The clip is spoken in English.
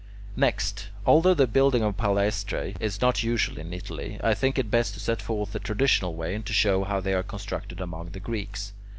Next, although the building of palaestrae is not usual in Italy, I think it best to set forth the traditional way, and to show how they are constructed among the Greeks.